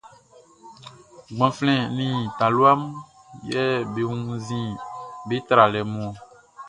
Gbanflɛn nin talua mun yɛ be wunnzin be tralɛ mun ɔn.